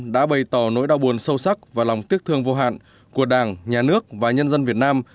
đã bày tỏ nỗi đau buồn sâu sắc và lòng tiếc thương vô hạn của đảng nhà nước và nhân dân việt nam